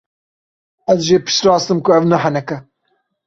Ez jê piştrast im ku ev ne henek e.